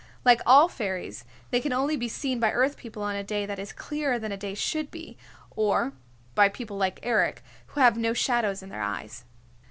Like all fairies, they can only be seen by Earth People on a day that is clearer than a day should be, or by people like Eric who have no shadows in their eyes.